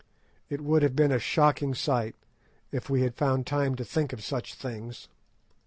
It would have been a shocking sight, if we had found time to think of such things.